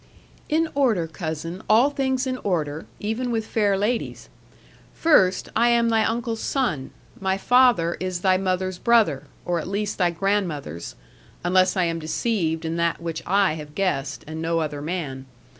'"In order, cousin all things in order, even with fair ladies. First, I am thy uncle's son, my father is thy mother's brother, or at least thy grandmother's unless I am deceived in that which I have guessed, and no other man.